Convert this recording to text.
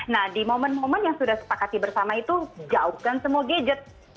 nah di momen momen yang sudah sepakati bersama itu jauhkan semua gadget